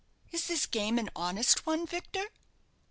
"Is this game an honest one, Victor?"